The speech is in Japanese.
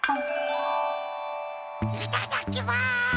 いただきます！